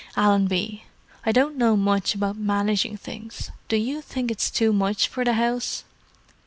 "Allenby—I don't know much about managing things; do you think it's too much for the house?"